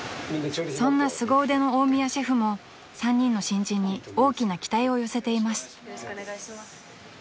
［そんなすご腕の大宮シェフも３人の新人に大きな期待を寄せています］